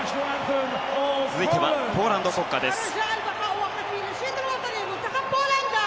続いてはポーランド国歌です。